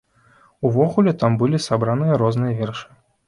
Увогуле там былі сабраныя розныя вершы.